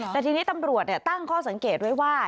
แต่ทีนี้ตำรวจตั้งข้อสังเกตไว้ว่า